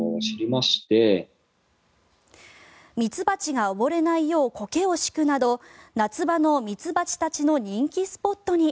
蜜蜂が溺れないようコケを敷くなど夏場の蜜蜂たちの人気スポットに。